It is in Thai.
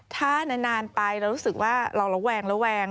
ถ้านานไปเรารู้สึกว่าเราระวัง